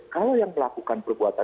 kalau yang melakukan perbuatan